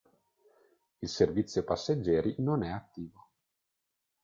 Il servizio passeggeri non è attivo.